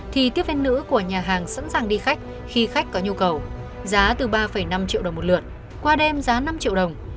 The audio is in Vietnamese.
tiên nữ của nhà hàng sẵn sàng đi khách khi khách có nhu cầu giá từ ba năm triệu đồng một lượt qua đêm giá năm triệu đồng